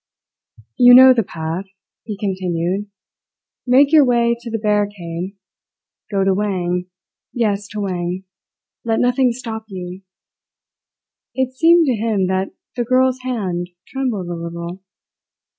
"You know the path," he continued. "Make your way to the barricade. Go to Wang yes, to Wang. Let nothing stop you!" It seemed to him that the girl's hand trembled a little.